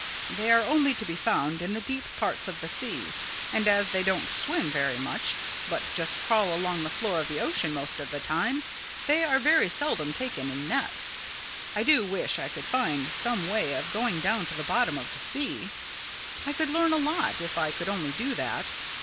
They are only to be found in the deep parts of the sea; and as they don't swim very much, but just crawl along the floor of the ocean most of the time, they are very seldom taken in nets. I do wish I could find some way of going down to the bottom of the sea. I could learn a lot if I could only do that.